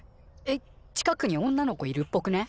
えっ近くに女の子いるっぽくね？